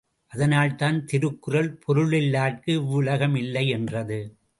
அதனால் தான் திருக்குறள், பொருளில்லார்க்கு இவ்வுலகம் இல்லை என்றது.